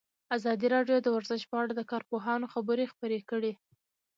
ازادي راډیو د ورزش په اړه د کارپوهانو خبرې خپرې کړي.